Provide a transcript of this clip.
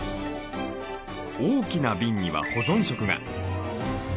大きな瓶には保存食が。